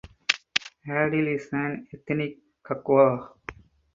Adil is an ethnic Kakwa.